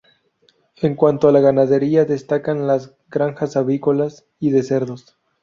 En cuanto a la ganadería destacan las granjas avícolas y de cerdos.